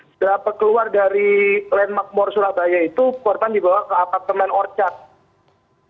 setelah keluar dari landmark more surabaya itu korban dibawa ke apartemen orchard